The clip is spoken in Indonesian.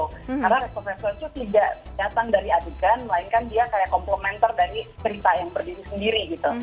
karena rekso verso itu tidak datang dari adegan melainkan dia kayak komplementer dari berita yang berdiri sendiri gitu